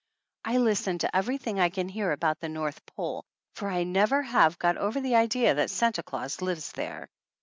I listen to every thing I can hear about the North Pole for I never have got over the idea that Santa Claus lives there.